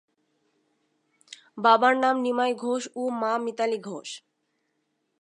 বাবার নাম নিমাই ঘোষ ও মা মিতালী ঘোষ।